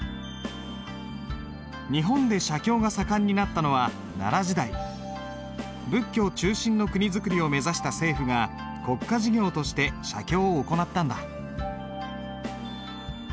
日本で写経が盛んになったのは仏教中心の国づくりを目指した政府が国家事業として写経を行ったんだ。